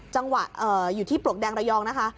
จังหวะอยู่ที่ปลวกแดงระยองนะคะ